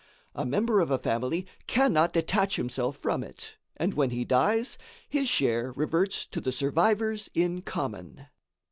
A member of a family cannot detach himself from it, and when he dies, his share reverts to the survivors in common.